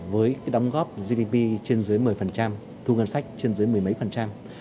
với đóng góp gdp trên dưới một mươi thu ngân sách trên dưới mười mấy phần trăm